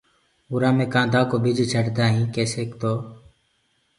اُرآ مي ڪآڌآ ڪو ٻج ڇٽدآ هين ڪيسي تو